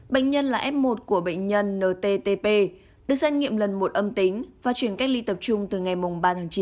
bệnh nhân là f một của bệnh nhân nttp được xét nghiệm lần một âm tính và chuyển cách ly tập trung từ ngày ba tháng chín